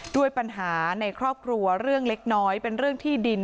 ด้วยปัญหาในครอบครัวเรื่องเล็กน้อยเป็นเรื่องที่ดิน